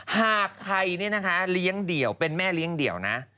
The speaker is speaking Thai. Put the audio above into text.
หากใครเป็นแม่เลี้ยงเดี่ยวนะ